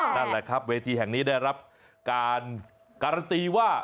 นั่นแหละครับเวทีแห่งนี้ได้รับการการันตีว่า